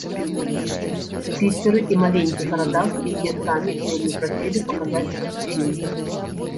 Піцеры і маленькіх гарадах, якія самі вельмі прасілі паказаць гэты фільм.